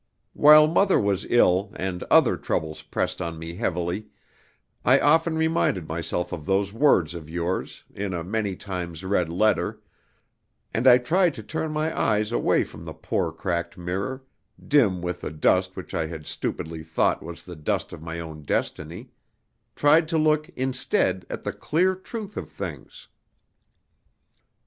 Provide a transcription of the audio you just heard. While Mother was ill, and other troubles pressed on me heavily, I often reminded myself of those words of yours, in a many times read letter; and I tried to turn my eyes away from the poor cracked mirror, dim with the dust which I had stupidly thought was the dust of my own destiny; tried to look instead at the clear truth of things.